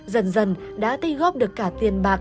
dần dần đã tinh góp được cả tiền